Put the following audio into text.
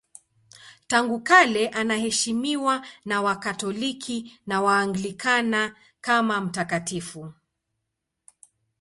Tangu kale anaheshimiwa na Wakatoliki na Waanglikana kama mtakatifu.